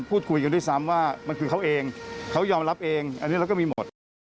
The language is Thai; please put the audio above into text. พูดคุยกันด้วยทั้งแต่ว่ามันคือเขาเองเขายอมรับเองมันก็มีหมด